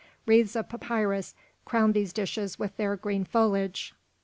Wreaths of papyrus crowned these dishes with their green foliage.